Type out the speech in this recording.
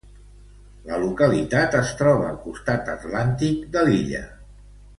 La localitat es troba al costat Atlàntic de l'illa.